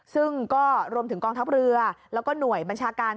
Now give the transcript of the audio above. ซึ่งก็รวมถึงกองทัพเรือแล้วก็หน่วยบัญชาการ